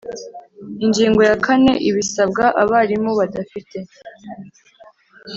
Ingingo ya kane Ibisabwa abarimu badafite